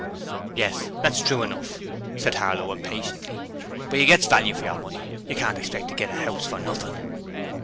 'Yes, that's true enough,' said Harlow impatiently; 'but you gets value for yer money: you can't expect to get a 'ouse for nothing.'